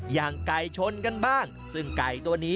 อย่างไก่ชนกันบ้างซึ่งไก่ตัวนี้